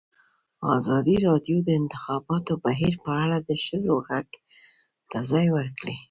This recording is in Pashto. ازادي راډیو د د انتخاباتو بهیر په اړه د ښځو غږ ته ځای ورکړی.